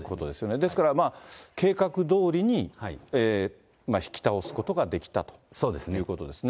ですから計画どおりに引き倒すことができたということですね。